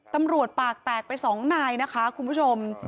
ตำรวจปากแตกไปสองนายนะคะคุณผู้ชม